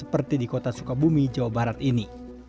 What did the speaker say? seperti di kota sukabumi jawa barat ini